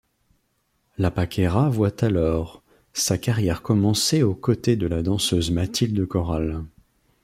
La Paquera voit alors sa carrière commencer aux côtés de la danseuse Matilde Coral.